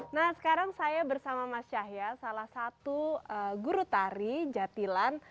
nah sekarang saya bersama mas yahya salah satu guru tari jatilan